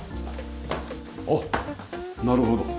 あっなるほど。